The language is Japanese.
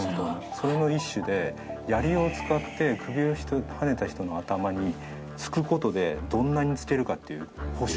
それの一種で槍を使って首をはねた人の頭に突く事でどんなに突けるかっていう保証。